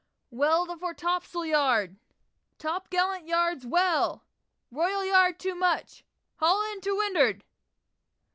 "Well, the fore topsail yard!" "Top gallant yard's well!" "Royal yard too much! Haul into windward!